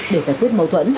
để giải quyết mâu thuẫn